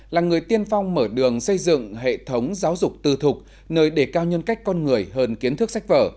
là người tiên phong mở đường xây dựng hệ thống giáo dục tư thục nơi đề cao nhân cách con người hơn kiến thức sách vở